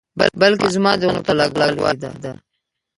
بلکې زما د غوښتنو په لږوالي کې ده.